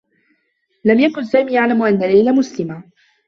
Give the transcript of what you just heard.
لم يكن سامي يعلم أنّ ليلى مسلمة.